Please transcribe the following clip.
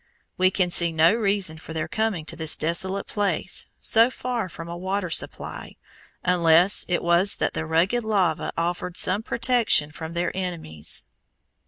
We can see no reason for their coming to this desolate place, so far from a water supply, unless it was that the rugged lava offered some protection from their enemies.